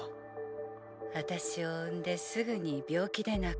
私を産んですぐに病気で亡くなっちゃったらしいの。